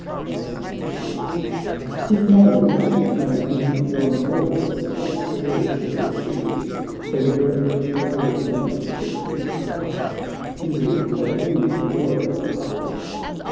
''— Answered the Douglas, " If my liege May win yon walls by storm or siege, Then were each brave and patriot heart Kindled of new for loyal part."